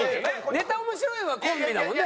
「ネタ面白い」はコンビだもんね。